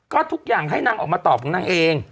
ก็ทุกอย่างให้นางออกมาตอบของนางเอง